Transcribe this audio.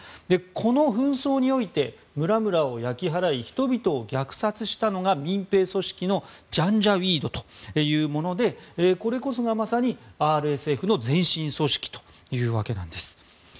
この紛争において村々を焼き払い人々を虐殺したのが民兵組織のジャンジャウィードというものでこれこそが、まさにＲＳＦの前身組織というわけなんです。